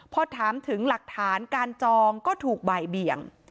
พอถามถึงหลักฐานการจองก็ถูกบ่ายเบี่ยง